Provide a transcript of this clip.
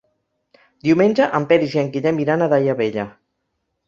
Diumenge en Peris i en Guillem iran a Daia Vella.